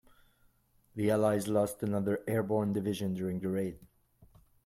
The allies lost another airborne division during the raid.